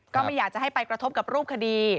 ก็ไม่อยากจะให้ไปกระทบกับรูปคดี